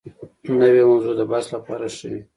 نوې موضوع د بحث لپاره ښه وي